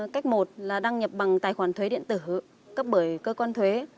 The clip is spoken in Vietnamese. cách một là đăng nhập bằng tài khoản thuế điện tử cấp bởi cơ quan thuế